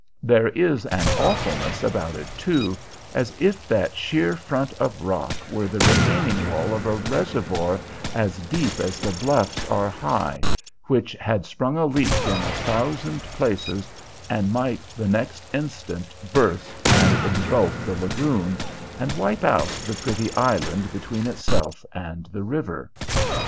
There is an awfulness about it, too, as if that sheer front of rock were the retaining wall of a reservoir as deep as the bluffs are high, which had sprung a leak in a thousand places, and might the next instant burst and ingulf the lagoon, and wipe out the pretty island between itself and the river.